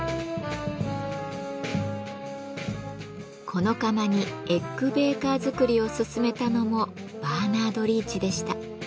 この窯にエッグ・ベーカー作りを勧めたのもバーナード・リーチでした。